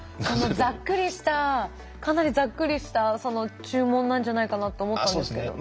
ざっくりしたかなりざっくりした注文なんじゃないかなと思ったんですけど。